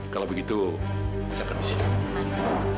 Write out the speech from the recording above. kalau begitu saya permisi